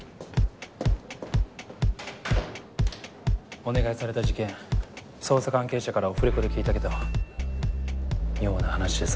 お願いされた事件捜査関係者からオフレコで聞いたけど妙な話でさ。